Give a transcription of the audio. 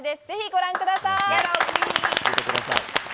ぜひ、ご覧ください。